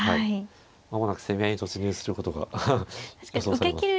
間もなく攻め合いに突入することが予想されます。